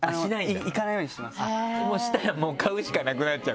したらもう買うしかなくなっちゃうから。